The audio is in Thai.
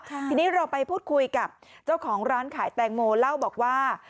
ทีนี้เราไปพูดคุยกับเจ้าของร้านขายแตงโมเล่าบอกว่า